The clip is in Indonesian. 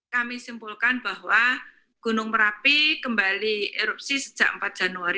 kami simpulkan bahwa gunung merapi kembali erupsi sejak empat januari dua ribu dua puluh satu